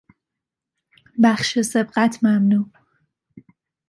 بخش سبقت ممنوع